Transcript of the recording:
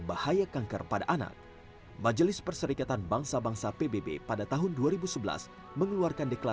bahaya kanker pada anak majelis perserikatan bangsa bangsa pbb pada tahun dua ribu sebelas mengeluarkan